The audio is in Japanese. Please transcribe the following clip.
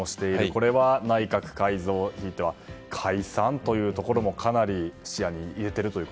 これは内閣改造解散というところもかなり視野に入れてると。